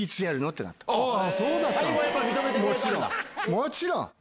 もちろん！